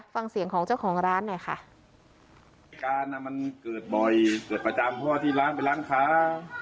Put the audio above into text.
ฟังเสียงของเจ้าของร้านอ่ะค่ะอภัยแบบว่าน้ำน้ำมันเกิดบ่อยเกิดประจำเพราะว่าที่ร้านเป็นร้านค้า